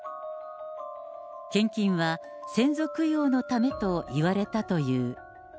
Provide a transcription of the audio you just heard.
献金は先祖供養のためと言われたという。